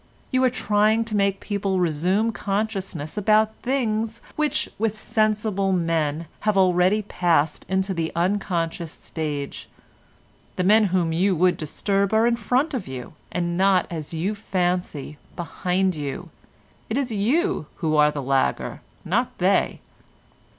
You are trying to make people resume consciousness about things, which, with sensible men, have already passed into the unconscious stage. The men whom you would disturb are in front of you, and not, as you fancy, behind you; it is you who are the lagger, not they."